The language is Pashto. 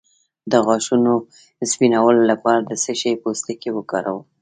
د غاښونو سپینولو لپاره د څه شي پوستکی وکاروم؟